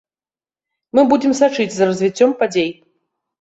Мы будзем сачыць за развіццём падзей.